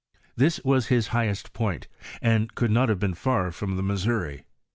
This was his highest point, and could not have been far from the Missouri.